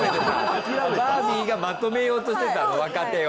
バービーがまとめようとしてたの？若手を。